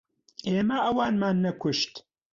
ئێمە ئەوانمان نەکوشت.